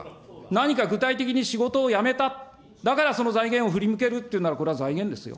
何か具体的に仕事をやめた、だからその財源を振り向けるっていうなら、これは財源ですよ。